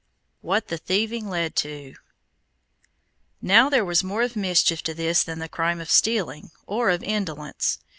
WHAT THE THIEVING LED TO Now there was more of mischief to this than the crime of stealing, or of indolence.